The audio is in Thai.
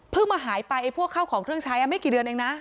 เพิ่งมาหายไปพวกข้าวของเครื่องใช้ไม่กี่เดือนเองนะ